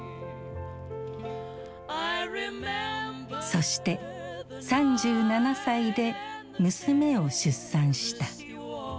そして３７歳で娘を出産した。